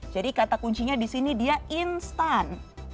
jadi kata kuncinya disini dia instan